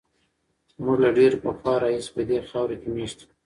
موږ له ډېر پخوا راهیسې په دې خاوره کې مېشت یو.